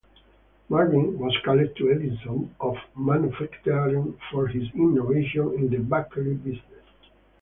Marvin was called the Edison of manufacturing for his innovations in the bakery business.